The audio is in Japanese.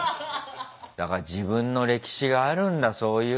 だから自分の歴史があるんだそういう。